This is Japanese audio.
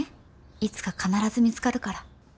いつか必ず見つかるから。